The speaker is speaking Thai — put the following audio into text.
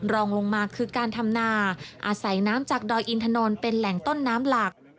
รองลงมาคือการทำนาอาศัยน้ำจากดอยอินถนนเป็นแหล่งต้นน้ำหลัก